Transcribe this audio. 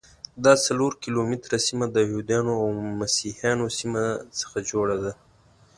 دا څلور کیلومتره سیمه د یهودانو او مسیحیانو سیمو څخه جوړه ده.